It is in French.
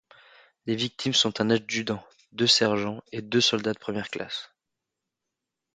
Les victimes sont un adjudant, deux sergents et deux soldats de première classe.